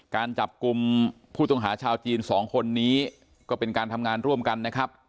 การจับกลุ่มผู้ต้องหาชาวจีนสองคนนี้ก็เป็นการทำงานร่วมกันนะครับ